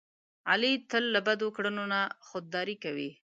علي تل له بدو کړنو نه خوداري کوي.